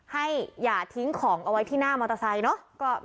อย่าทิ้งของเอาไว้ที่หน้ามอเตอร์ไซค์เนาะ